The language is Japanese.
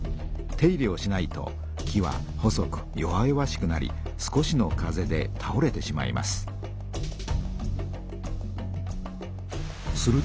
手入れをしないと木は細く弱々しくなり少しの風でたおれてしまいます。